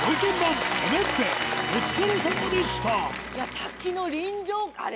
滝の臨場感あれ